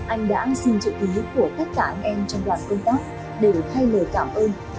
anh đã xin chữ ký của tất cả anh em trong đoàn công tác để thay lời cảm ơn